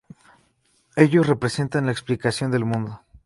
Ellos representan la explicación del mundo.